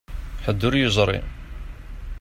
Ḥedd ur yeẓri.